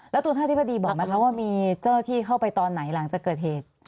แล้วตัวท่านอธิบดีบอกไหมคะว่ามีเจ้าหน้าที่เข้าไปตอนไหนหลังจากเกิดเหตุ